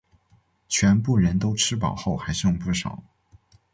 全部人都吃饱后还剩不少